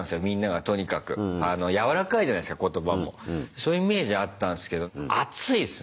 そういうイメージあったんすけど熱いっすね